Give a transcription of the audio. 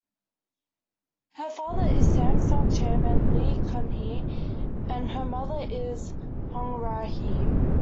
Her father is Samsung chairman Lee Kun-hee, and her mother is Hong Ra-hee.